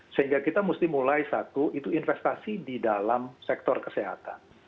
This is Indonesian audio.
sehingga kita mesti mulai satu itu investasi di dalam sektor kesehatan